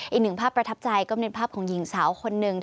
อีกหนึ่งภาพประทับใจก็เป็นภาพของหญิงสาวคนหนึ่ง